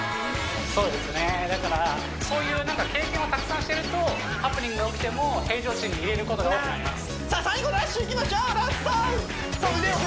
そうですねだからそういう経験をたくさんしてるとハプニングが起きても平常心でいれることが多くなりますラスト！